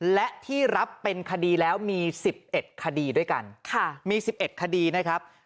และที่รับเป็นคดีแล้วมีสิบเอ็ดคดีด้วยกันค่ะมีสิบเอ็ดคดีนะครับ